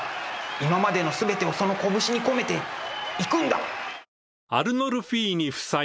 今までの全てをその拳に込めていくんだ！